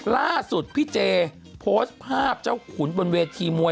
ล่าสุดพี่เจโพสต์ภาพเจ้าขุนบนเวทีมวย